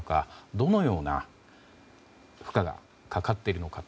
どのような負荷がかかっているのかと。